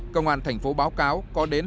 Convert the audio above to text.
cơ quan thành phố báo cáo có đề nghị